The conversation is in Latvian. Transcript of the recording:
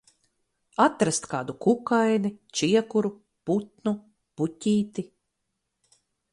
Atrast kādu kukaini, čiekuru, putnu, puķīti...